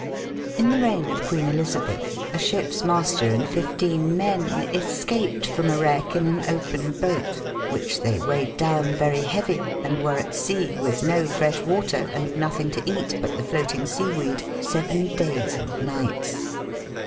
In the reign of Queen Elizabeth, a ship's master and fifteen men escaped from a wreck in an open boat, which they weighed down very heavy, and were at sea, with no fresh water, and nothing to eat but the floating sea weed, seven days and nights.